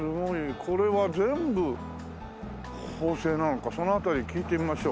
これは全部法政なのかそのあたり聞いてみましょう。